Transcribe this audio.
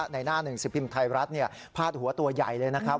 ในหน้าหนึ่งสิงห์ภิมธ์ไทยรัฐเนี่ยพาดหัวตัวใหญ่เลยนะครับ